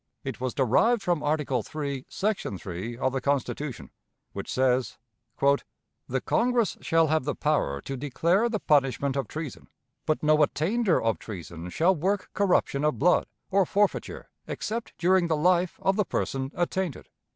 It was derived from Article III, section 3, of the Constitution, which says: "The Congress shall have the power to declare the punishment of treason, but no attainder of treason shall work corruption of blood, or forfeiture, except during the life of the person attainted."